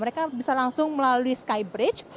mereka bisa langsung melalui skybridge